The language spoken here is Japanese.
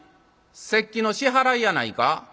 「節季の支払いやないか」。